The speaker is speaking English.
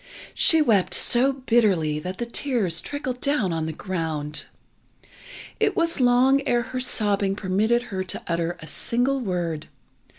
She wept so bitterly that the tears trickled down on the ground. It was long ere her sobbing permitted her to utter a single word.